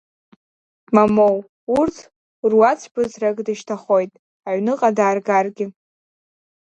Мамоу, урҭ руаӡәԥыҭрак дышьҭахоит, аҩныҟа дааргаргьы.